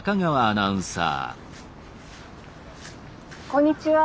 こんにちは。